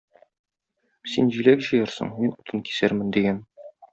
Син җиләк җыярсың, мин утын кисәрмен,- дигән.